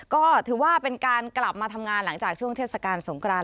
ก็ถือว่าเป็นการกลับมาทำงานหลังจากช่วงเทศกาลสงคราน